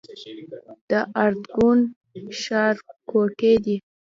د ارګون ښارګوټی دی